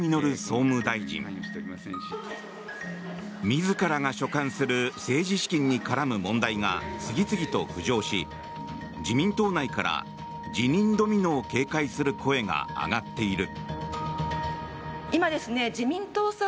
自らが所管する政治資金に絡む問題が次々と浮上し自民党内から辞任ドミノを警戒する声が上がっている。